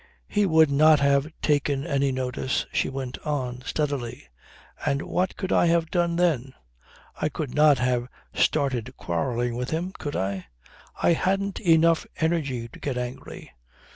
"He would not have taken any notice," she went on steadily. "And what could I have done then? I could not have started quarrelling with him could I? I hadn't enough energy to get angry.